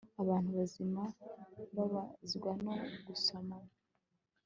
Abantu bazima bababazwa no gusomana